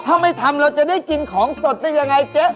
ถ้าไม่ทำเราจะได้กินของสดได้ยังไงเจ๊